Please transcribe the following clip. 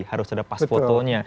harus ada pas fotonya